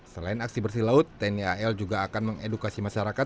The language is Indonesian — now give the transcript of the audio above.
selain aksi bersih laut tni al juga akan mengedukasi masyarakat